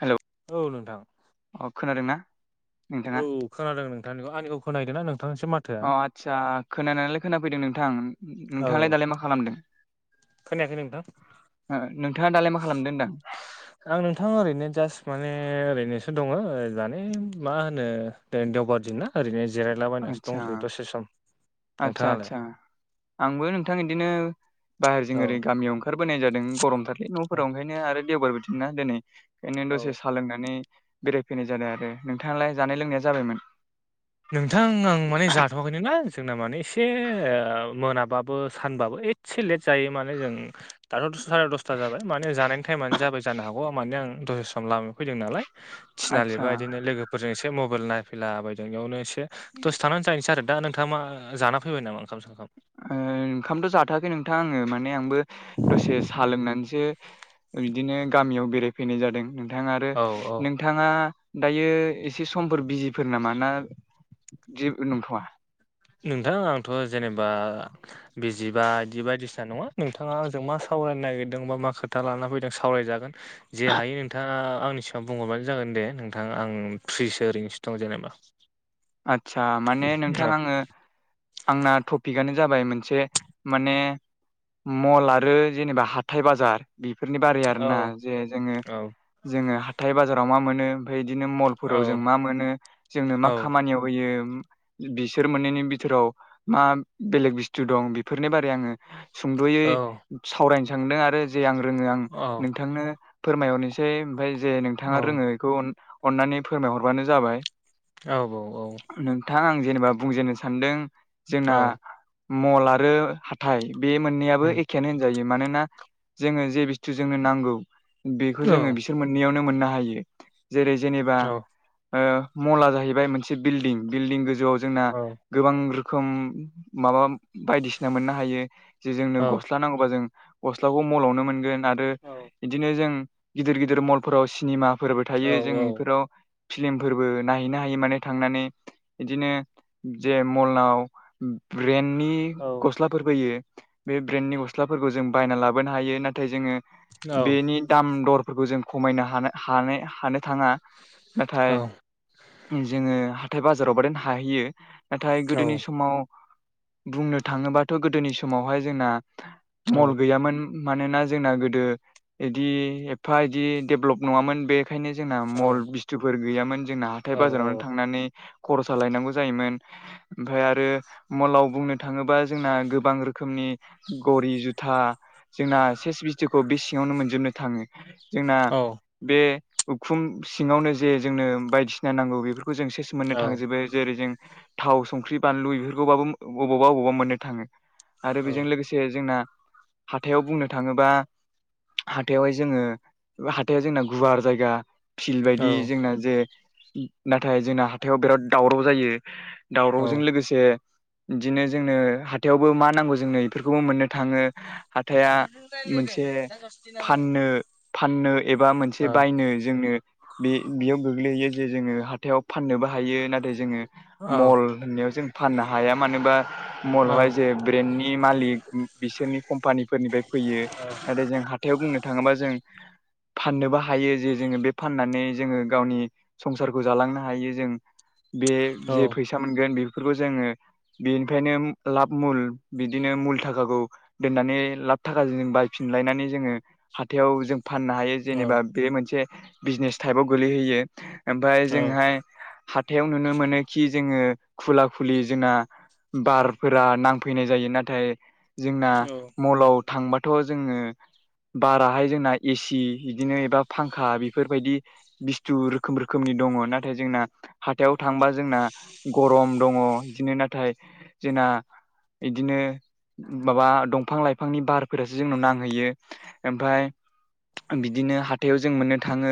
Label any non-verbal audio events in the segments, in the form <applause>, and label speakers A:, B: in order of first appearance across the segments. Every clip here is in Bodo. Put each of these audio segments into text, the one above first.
A: हेलौ
B: औ नोंथां।
A: अ खोनादों ना?
B: औ खोनादों नोंथांनिखौ आंनिखौ खोनाहैदोंना नोंथांनिसिम माथो
A: अ आदसा खोनानायालाय खोनाफैदों नोंथां
B: औ
A: नोंथांलाय दालाय मा खालामदों?
B: खोनायाखै नोंथां
A: नोंथाङा दालाय मा खालामदों होनदां।
B: आं नोंथांङा ओरैनो जास्ट माने ओरैनोसो दङ माने मा होनो देवबार दिनना ओरैनो जिरायलाबायनानैसो
A: आदसा
B: दंसैयो दसे सम
A: आदसा
B: नोंथाङालाय
A: आदसा आंबो नोंथां बिदिनो बाहेरजों
B: औ
A: ओरै गामियाव ओंखार ओंखारबोनाय जादों गरमथारलै
B: औ
A: न'फोराव ओंखायनो आरो देवबार बिदि नना दिनै ओंखायनो
B: औ
A: दसे सा लोंनानै बेरायफैनाय जादों आरो नोंथाङालाय जानाय लोंनाया जाबायमोन।
B: नोंथां आं माने जाथ'वाखैनो ना जोंना माने एसे मोनाबाबो सानबाबो एसे लेट जायो माने जों दाथ' साराय दसथा जाबाय माने जानायनि टाइमानो जाबाय जानो हागौ मे आं दसे सम लामायाव फैदों नालाय थिनालिब
A: आदसा
B: बिदिनो लोगोफोरजों एसे मबाइल नायफैला बायदों बेयावनो एसे दसे थानानै जाहनोसै आरो। दा नोंथांङा मा जाना फैबाय नामा ओंखाम?
A: ओंखामथ' जाथ'आखै नोंथां आङो माने आंबो दसे साहा लोंनानैसो बिदिनो गामियाव बेरायफैनाय जादों नोंथाङा आरो
B: औ औ
A: नों नोंथाङा दायो एसे समफोर बिजिफोर नामा ना जे नंथ'वा
B: नोंथां आंथ' जेनेबा बिजिबा बिदि बायदिसिना नङा नोंथाङा आंजों मा सावरायनो नागिरदों बा मा खोथा लाना फैदों सावरायजागोन। जे हायो नोंथाङा आंनि सों बुंहरबानो जागोन दे नोंथां आं फ्रिसो ओरैनोसो दं जेनेबा।
A: आदसा माने
B: औ
A: नोंथां आङो आंना टपिकआनो जाबाय मोनसे माने मल आरो जेनेबा हाथाइ बाजार बेफोरनि बारै आरो ना जे जोङो
B: औ
A: जोङो हाथाय बाजाराव मा मोनो ओमफ्राय बिदिनो मल
B: औ
A: फोराव जों मा मोनो जोंनो
B: औ
A: मा खामानियाव होयो। बिसोर मोननैनि बिथोराव मा बेलेग बुस्थु दं बेफोरनि बारै आङो सुंद'यै सावरायनो सांदों आरो जे आं रोङो आं
B: औ
A: नोंथांनो फोरमायहरनोसै ओमफ्राय जे
B: औ
A: नोंथाङा रोङो बेखौ अननानै फोरमायहरबानो जाबाय।
B: औ औ औ
A: नोंथां आं जेनेबा बुंजेननो सानदों
B: औ
A: जोंना मल आरो हाथाय बे मोननैाबो एखेआानो होनजायो मानोना जोङो जे बुस्थुजोंनो नांगौ बेखौ
B: औ
A: जोङो बिसोर मोननैयावनो मोननो हायो जेरै जेनेबा ओ मला जाहै जाहैबाय मोनसे बिल्डिं बिल्डिं गोजौआव जोंना
B: औ औ औ
A: गोबां रोखोम माबा बायदिसिना मोननो हायो जे जोंनो
B: औ
A: गस्ला नांगौबा जों गस्लाखौ मलावनो मोनगोन आरो
B: औ
A: आरो इदिनो जों गिदिर गिदिर मलफोराव सिनेमाफोरबो थायो जों इफोराव फिलिम फोरबो नाय नो हायो मान थांनानै बिदिनो जे मलाव ब्रेन्दनि गस्लाफोर फैयो बे ब्रेन्डनि गस्लाफोरखौ जों बायना लाबोनो हायो नाथाय जोङो बेनि दाम दरफोरखौ जों खमायनो हानाय हानो हानो थाङा नाथाय जोङो हाथाय बाजाराव बादेन हाहैयो नाथाय गोदोनि समाव बुंनो थाङोबाथ' गोदोनि समावहाय जोंना मल गैयामोन। मानोना जोंना गोदो इदि एफा इदि डेभलप नङामोन बे बेखायनो जोंना मल बिस्थुफोर गैयामोन जोंना हाथाय बाजारावनो थांनानै खर'सा लायनांगौ जायोमोन। ओमफाय आरो मलाव बुंनो थाङोबा जोंना गोबां रोखोमनि घरि जुथा जोंना सेस बिस्थुखौ बे सिङावनो मोनजोबनो थाङो। जोंना बे उखुम सिङावनो जे जोंनो बायदिसिना नांगौ बेफोरखौ जों सेस मोननो थांजोबो जेरै जों थाव संख्रि बानलु बेफोरखौबाबो बबावबा अबावबा मोननो थाङो आरो बेजों लोगोसे से जोंना हाथायाव बुंनो थाङोबा हाथाइयावहाय जोङो हाथायाव जोंना गुवार जायगा फिल्ड बायदि जोंना जे नाथाय जोंना हाथायाव बिराद दावराव जायो।
B: औ
A: दावरावजों लोगोसे बिदिनो जोंनो हाथायावबो मा नांगौ जोंनो बेफोरखौबो मोननो थाङो। हाथाया
B: औ
A: मोनसे फाननो फाननो एबा मोनसे
B: औ
A: बायनो जोंनो बे बेयाव गोग्लैैयो जे जोङो हाथायाव फाननोबो हायो नाथाय जोङो
B: औ
A: मल होननायाव जों फाननो हाया मानोबा
B: औ
A: मलावहाय जे ब्रेन्डनि मालिक बिसोरनि कम्पानिफोरनिफ्राय फैयो। नाथाय जों हाथायाव बुंनो थाङोबा जों फाननोबो हायो जे जोङो बे फाननानै जोङो गावनि संसारखौ जालांनो हायो जों बे
B: औ
A: जे फैसा मोनगोन बेफोरखौ जोङो बेनिफ्रायनो लाब मुल बिदिनो मुल थाखाखौ दोननानै लाब थाखाजों जों बायफिनलायनानै जोङो हाथायाव जों फाननो हायो
B: औ
A: जेनेबा बे मोनसे बिजनेस टाइपआव गोलैहोयो ओमफ्राय
B: औ
A: ओजोंहाय हाथायाव नुनो मोनोखि जोङो खुला खुलि जोंना बारफोरा नांफैनाय जायो नाथाय जोंना मलाव थांबाथ' जोङो बाराहाय जोंना एसि बिदिनो एबा फांखा बेफोरबायदि बिस्थुर नि दङ नाथाय जोंना हाथायाव थांबा जोंना गरम दङ बिदिनो नाथाय जोंना इदिनो माबा दंफां लाइफांनि बार फोरासो जोंनाव नांहैयो ओमफ्राय बिदिनो हाथायाव जों मोननो थाङो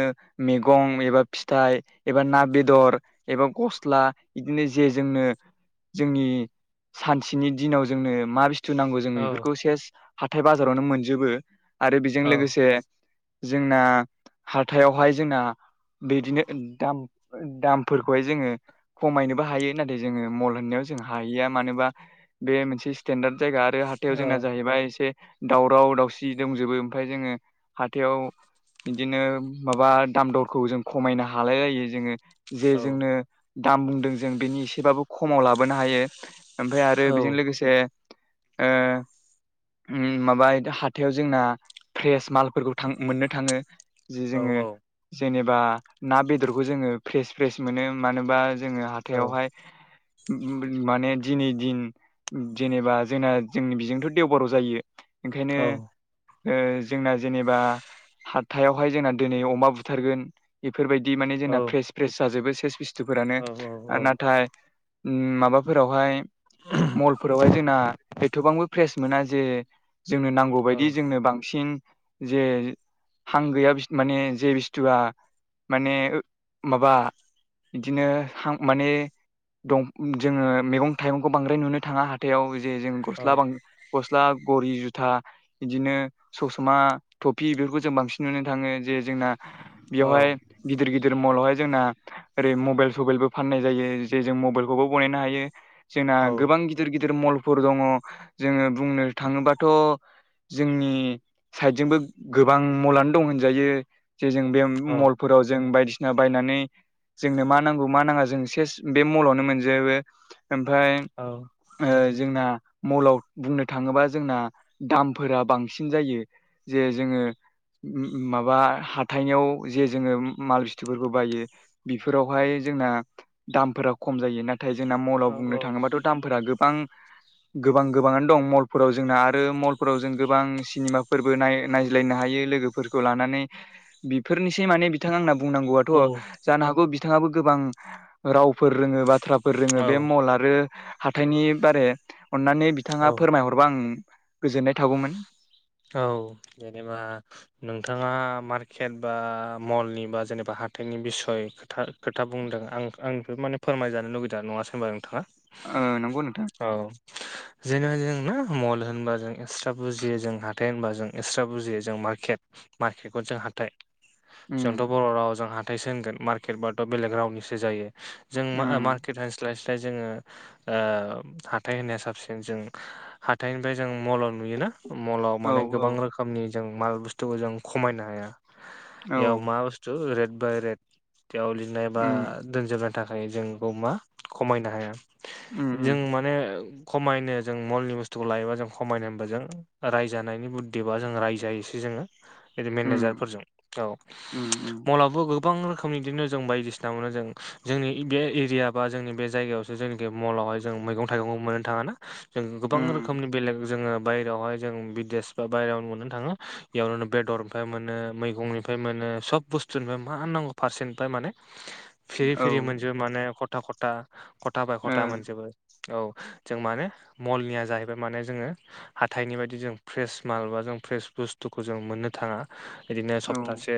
A: मैगं एबा फिथाइ एबा ना बेदर एबा गस्ला बिदिनो जे जोंनो जोंनि सानसेनि दिनाव जोंनो मा बुस्थु नांगौ जों
B: औ
A: बेफोरखौ सेस हाथथाय बाजारावनो मोनजोबो आरो बेजों
B: औ
A: लोगोसे जोंना हथायावहाय जोंना बिदिनो दाम दामफोरखौहाय जोङो खमायनोबो हायो नाथाय जोङो मल होननायाव जों हाहैया मानोबा बे मोनसे स्टेनडार्द जायगा आरो हाथायाव जोंना जाहैबाय एसे दावराव दावसि दंजोबो ओमफ्राय जोङो हाथायाव बिदिनो माबा दाम दरखौ जों खमायनो हालायलायो जोङो जे जोंनो दाम बुंदों जों बेनि एसेबाबो खमाव लाबोनो हायो ओमफाय आरो बेजों लोगोसे ओ उम माबा हाथायाव जोंना फ्रेस मालफोरखौ थां मोननो थाङो। जि जोङो जेनेबा ना बेदरखौ जोङो फ्रेस फ्रेस मोनो मानोबा जोङो हाथायावहाय माने दिनै दिन जेनेबा जोंना जोंनि बिजोंथ' देवबाराव जायो ओंखायनो ओ जोंना जेनेबा हाथायावहाय जोंना दिनै अमा बुथारगोन बेफोरबायदि माने जोंना फ्रेस फ्रेस जाजोबो सेस बुस्थुफोरानो नाथाय माबाफोरावहाय मलफोरावहाय जोंना एथ'बांबो फ्रेस मोना जे जोंनो नांगौ बायदि जोंनो बांसिन जे हां गैया माने जे बुस्थुआ माने माबा बिदिनो हां माने दं जोङो मैगं थाइगंखौ बांद्राय नुनो थाङा हाथायाव जे जों गस्ला बां गस्ला घरि जुथा बिदिनो ससमा थफि बेफोरखौ जों बांसिन नुनो थाङो। जे जोंना बेयावहाय गिदिर गिदिर मलावहाय जोंना ओरै मबाइल सबाइलबो फाननाय जायो जे जों मबाइलखौबो बनायनो हायो जोंना गोबां गिदिर गिदिर मलफोर दङ जोङो बुंनो थाङोबाथ' जोंनि साइदजोंबो गोबां मलानो दं होनजायो जे जों बे
B: औ
A: मल फोराव जों बायदिसिना बायनानै जोंनो मा नांगौ मा नाङा जों सेस बे मलावनो मोनजोबो ओमफाय
B: औ
A: ओ जोंना मलाव बुंनो थाङोबा जोंना दामफोरा बांसिन जायो। जे जोङो माबा हाथायनियाव जे जोङो माल बुस्थुफोरखौ बायो बेफोरावहाय जोंना दामफोरा खम जायो ना थाय जोंना मलाव
B: औ
A: बुंनो थाङोबाथ' दामफोरा गोबां गोबां गोबाङानो दं मल फोराव जोंना आरो मलफोराव जों गोबां सिनेमाफोरबो नाय नायज्लायनो हायो लोगोफोरखौ लानानै। बेफोरनिसै माने बिथाङा आंना बुंनांगौआथ' जानो हागौ बिथाङाबो गोबां रावफोर रोङो बाथ्राफोर रोङो बे मल आरो हाथायनि बारे। अन्नानै बिथाङा फोरमायहरबा आं गोजोननाय थागौमोन।
B: औ जेनेबा नोंथाङा मार्केट बा मलनि बा जेनेबा हाथायनि बिसय खोथा खोथा बुंदों आं आंनिफ्राय माने फोरमायजानो लुुगैदों नङासै होनबा नोंथाङा?
A: ओ नंगौ नोंथां।
B: औ जेनेबा जोंना मल होनबा जों एस ट्रा बुजियो जों हाथाइ होनबा जों एक्सट्रा बुजियो जों मार्केट मार्केटखौ जों हाथाइ
A: उम
B: जोंथ' बर' रावाव जों हाथाइसो होनगोन मार्केट बाथ' बेलेग रावनिसो जायो। जों
A: उम
B: मा-मार्केट होनस्लाय स्लाय जोङो ओ हाथाय होननाया साबसिन जों हाथाइनिफ्राय जों मलाव नुयोना मलाव
A: औ
B: माने
A: औ
B: गोबां रोखोमनि जों माल बुस्थुखौ जों खमायनो हाया
A: औ
B: बेयाव मा बुस तु रेद बाय रेड बेयाव लिरनाय बा
A: उम
B: <unintelligible> थाखाय जोंखौ मा खमायनो हाया
A: उम
B: जों
A: उम
B: माने खमायनो जों मलनि बुस्थुखौ लायोबा जों खमायनो बा जों रायजानायनि बुद्धि बा जों रायजायोसै जोङो।
A: उम
B: मेनेजारफोरजों औ
A: उम उम
B: मलाबो गो बां रोखोमनि बिदिनो जों बायदिसिना मोनो जों जोंनि बे एरिया बा जोंनि बे जायगायाव जेनेखि मलावहाय जों मैगं थाइगंखौ मोननो थाङा ना जों गोबां
A: उम
B: रोखोमनि बेलेग जोङो बायेरायावहाय जों बिदेश बा बायेरायाव मोननो थाङो बेयावननो बेदरनिफ्राय मोनो मैगंनिफ्राय मोनो सब बुस्थुनिफ्राय मा नांगौ फारसेनिफ्राय माने
A: <inaudible>
B: फिरि फिरि मोनजोबो
A: ओ
B: माने खथा खथा खथा बाय
A: औ
B: खथा मोनजोबो। औ जों माने मलनिया जाहैबाय माने जोंङो हाथाइनि बायदि जों फ्रेस माल बा जों फ्रेस बुस्थुखौ जों मोननो थाङा इदिनो सपतासे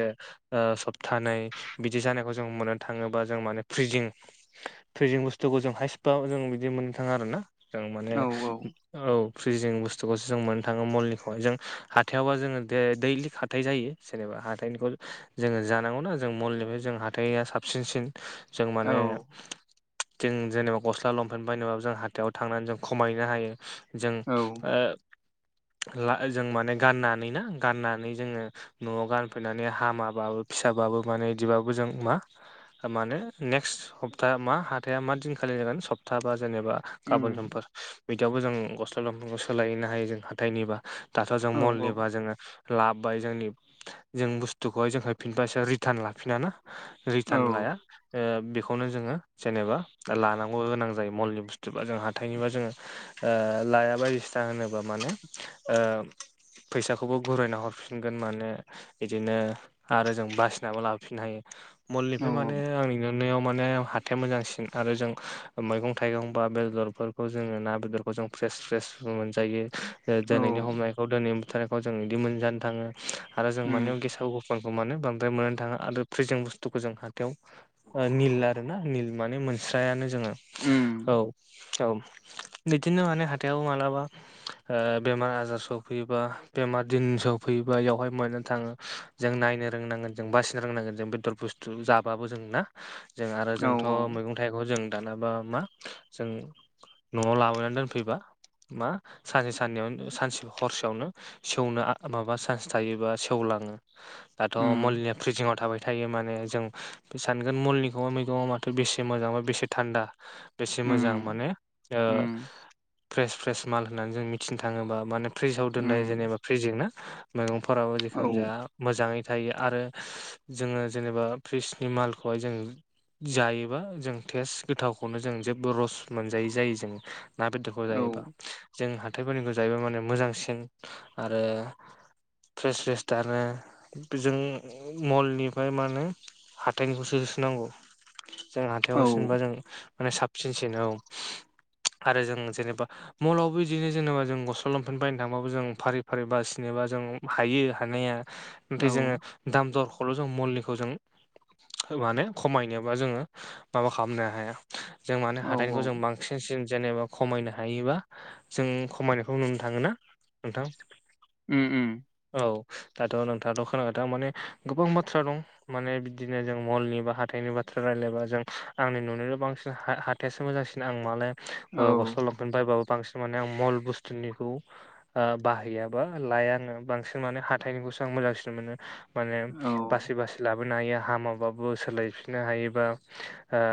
B: ओ सप्तानै बिदि जानायखौ जों मोननो थाङोबा जों माने फ्रिजिं फ्रिजिं बुस्थुखौ जों हाइ स्पाव जों बिदि मोननो थाङा आरोना। ओं माने
A: औ
B: औ फ्रिजिं बुस थु खौसो जों मोननो थाङो मलनिखौ जों हाथायावबा जोंङो दैलि हाथाय जायो जेनेबा हाथाइनिखौ जोंङो जानांगौना जों मलनिफ्राय जों हाथाया साबसिनसिन जों
A: औ
B: माने जों जेनेबा गस्ला लंपेन्ट बायनोबो जों हाथायाव थांनानै जों खमायनो हायो जों
A: औ
B: ओ जों माने गाननानै ना गाननानै जोंङो न'आव गानफैनानै हामाबाबो फिसाबाबो माने बिदिबाबो जों मा माने नेक्स्ट सप्ता मा हाथाइा मा दिनखालि जागोन सप्ता बा जेनेबा गाबोन
A: उम
B: समफोर बिदियावबो जों गस्ला लंपेन सोलायहैनो हायो जों हाथाइनिबा दाथ' जों
A: औ
B: मलनिबा जोंङो लाबोबाय जोंनि जों बुस्थुखौहाय जोंहफिनबायसो रिटार्न लाफिना ना।
A: औ
B: रिटार्न लाया बे खौनो जोंङो जेनेबा लानांगौ गोनां जायो मलनि बुस्थुबा जों हाथाइनिबा जोंङो लाया बायदिसिना होनोबा माने फैसाखौबो गुरायना हरफिनगोन माने बिदिनो आरो जों बासिनाबो लाफिननो हायो
A: औ
B: मलनिफ्राय माने आंनि नुनायाव मोजांसिन माने हाथाया मोजांसिन आरो जों मैगं थाइगं बा बेदरफोर खौ जोंङो ना बेदरखौ जों फ्रेस फ्रेस मोनजायो
A: औ
B: दिनैनि हमनायखौ दिनैनि बुथारनायखौ जों बिदि मोनजानो थाङो। आरो जों
A: उम
B: माने गेसाव गोफोनखौ मानो बांद्राय मोननानै थाङा आरो फ्रिजिं बुस्थुखौ जों हाथायाव निल आरोना निल माने मोनस्रायानो जोंङो
A: उम
B: औ औ बिदिनो माने हाथायाव मालाबा बेमार आजार सफैयोबा बेमार दिन सफैयोबा बेयावहाय मोननो थाङो जों नायनो रोंनांगोन जों बासिनो रोंनांगोन जों बेदर बुस्थु जाबाबो जों ना जों आरो
A: औ
B: जोंथ' मैगं अन्थाइखौ जों दानाबा मा जों न'आव लाबोनानै दोनफैबा मा सानसे सानैयावनो सानसे हरसेयावनो सेवनो माबा चान्स थायोबा सेवलाङो दाथ'
A: उम
B: मलनिया फ्रिजिं आव थाबाय थायो माने जों बे सानगोन मलनिखौ मैगं आ माथो बेसे मोजांबा बेसे थान्दा बेसे मोजां
A: उम
B: माने ओ
A: उम
B: फ्रेस फ्रेस माल होन्नानै जों मिथिनो थाङोबा माने फ्रिजाव दोननाय
A: उम
B: जेनेबा फ्रिजिं ना मैगंफोराबो
A: औ
B: जेखुनो जाया मोजाङै थायो आरो जोंङो जेनेबा फ्रिजनि मालखौहाय जों जायोबा जों टेस्ट गोथावखौनो जों जेबो रस मोनजायि जायो जों ना बेदर जायोबा जों हाथायफोरनिखौ जायोबा माने मोजांसिन आरो फ्रेस फ्रेस थार आरोना जों मलनिफ्राय मा होनो हाथायनिखौसो होसो नांगौ। जों
A: औ
B: हाथायावसिनबा जों
A: औ
B: माने साबसिनसिन औ आरो जों जेनेबा मलावबो इदिनो जेनेबा जों गस्ला लंफेेन बायनो थांबाबो जों फारि फारि बासिनोबा जों हायो हानाया नाथाय
A: औ
B: जोंङो दाम दरखौल' जों मुलिनिखौ जों माने खमायनोबा जोंङो माबा खालामनो हाया। जों मानो
A: औ
B: हाथाइनिखौ जों बांसिनसिन जेनेबा खमायनो हायोबा जों खमायनायखौ नुनो थाङो ना नोंथां
A: अम अम
B: औ दाथ' नोंथाङाथ' खोनाबाय दा माने गोबां बाथ्रा दं माने बिदिनो जों मलनि बा हाथाइनि बाथ्रा रायलायबा जों आंनि नुनायाव बांसिन हा थेस मोजांसिन आं मालाय
A: औ
B: ओ गस्ला' लंपेन्ट बायबाबो बांसिन माने आं मल बुस्थुनिखौ ओ बाहायाबा लायानो आङो बांसिन माने हाथाइनिखौसो आं मोजांसिन मोनो माने
A: औ
B: बासि बासि लाबोनो हायो हामाबाबो सोलायफिननो हायोबा ओ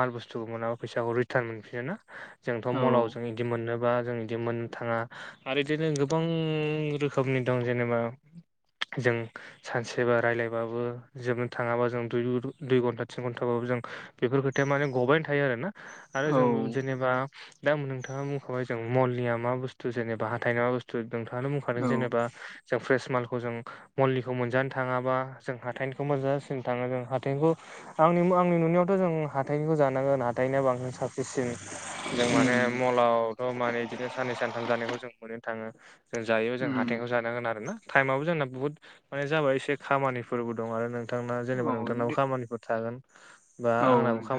B: माल बुस्थुखौ मोनाबा फैसाखौ रिटान मोनफिननो ना जोंथ'
A: औ
B: मलाव जों इदि मोननोबा जों इदि मोननो थाङा आरो इदिनो गोबां रोखोमनि दं जेनोबा जों सानसेबा रायज्लायबाबो जोबनो थाङाबा जों दुइ हो घन्टा थिन घन्टाबाबो जों बेफोर खोथाया माने ग'बाय थायो आरो ना आरो
A: औ
B: जों जेनोबा दा नोंथांआ मुख'बाय जों मलनि मा बुस्थु जेनोबा हथायना मा बुस्थु नोंथांआनो बुंखादों
A: औ
B: जेनोबा जों फ्रेस मालखौ जों मलखौ मोनजानो थाङाबा जों हाथायनिखौ मोनजासिन थाङो जों हाथायनिखौ आंनि आंनि नुनायावथ' जों हाथाइनिखौ जानांगोन हाथायनिआ बांसिन साबसिन जों माने
A: उम
B: मलावथ' माने इदिनो साननै सानथाम जानायखौ जों मोननो थाङो जों जायो जों
A: उम
B: हाथायखौ जानांगोन आरो ना टाइमाबबो जोंना बुहुत माने जाबाय एसे खामानिफोरबो दं आरो नोंथां नोंथाना जेनोबा
A: औ
B: नोंथाबो
A: दे
B: खामानिफोर थागोन बा आंनाबो
A: औ
B: खामा